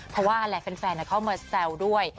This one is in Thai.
เพราะว่าอะไรแฟนเข้ามาแซวด้วย